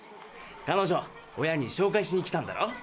彼女親に紹介しに来たんだろ？